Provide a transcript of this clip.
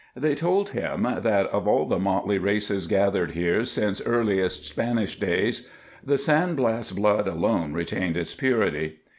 They told him that, of all the motley races gathered here since earliest Spanish days, the San Blas blood alone retained its purity.